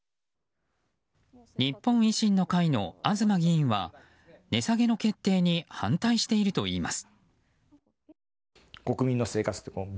日本維新の会の東議員は値下げの決定に反対しているといいます。